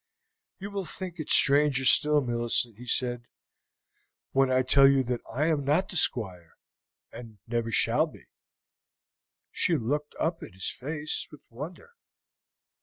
"You will think it stranger still, Millicent," he said, "when I tell you that I am not the Squire, and never shall be." She looked up in his face with wonder.